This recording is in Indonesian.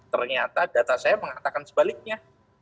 ternyata data saya mengatakan sebaliknya